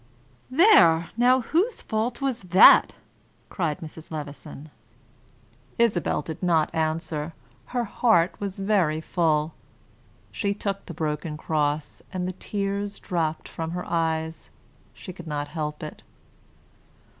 "There! Now whose fault was that?" cried Mrs. Levison. Isabel did not answer; her heart was very full. She took the broken cross, and the tears dropped from her eyes; she could not help it.